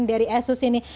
dari asus ini